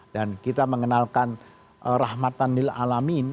dan kita mengenalkan rahmatan nil alamin